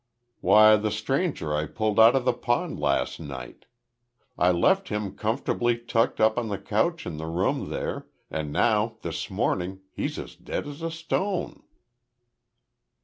"Why the stranger I pulled out of the pond last night. I left him comfortably tucked up on the couch in the room there, and now this morning he's as dead as a stone."